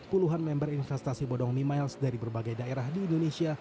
puluhan member investasi bodong mimiles dari berbagai daerah di indonesia